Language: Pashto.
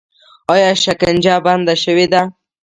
آیا شکنجه بنده شوې ده؟